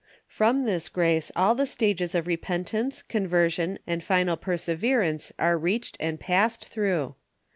From this grace all the stages of repentance, con version, and final perseverance are reached and passed through.